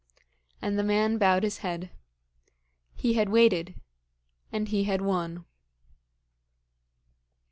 And the man bowed his head. He had waited; and he had won.